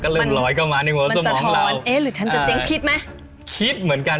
เริ่มร้อยกลับมาในกลัวสมองเรา